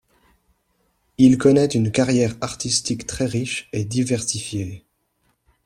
Il connait une carrière artistique très riche et diversifiée.